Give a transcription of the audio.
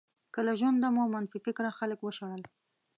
که له ژونده مو منفي فکره خلک وشړل.